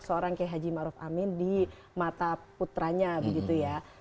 sosok seorang kehaji ma'ruf amin di mata putranya begitu ya